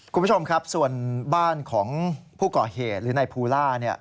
คุณผู้ชมครับส่วนบ้านของผู้ก่อเหตุหรือนายภูล่า